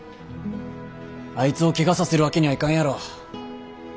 あいつをケガさせるわけにはいかんやろ。